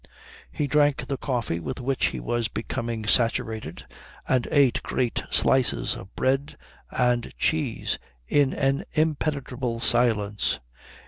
He drank the coffee with which he was becoming saturated and ate great slices of bread and cheese in an impenetrable silence.